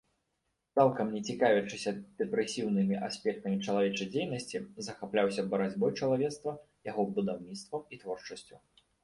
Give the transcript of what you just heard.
Цалкам не цікавячыся дэпрэсіўнымі аспектамі чалавечай дзейнасці, захапляўся барацьбой чалавецтва, яго будаўніцтвам і творчасцю.